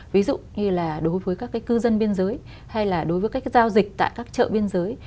ví dụ như là đối với các cái cư dân biên giới hay là đối với các giao dịch tại các chợ biên giới